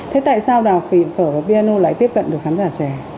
thế tại sao đào phở và piano lại tiếp cận được khán giả trẻ